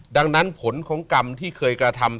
ดังนั้นผลของกรรมที่เคยกระทำ